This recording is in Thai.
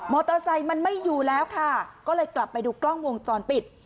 โตไซค์มันไม่อยู่แล้วค่ะก็เลยกลับไปดูกล้องวงจรปิด